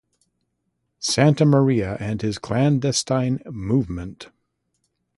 Santamaria and his clandestine "Movement".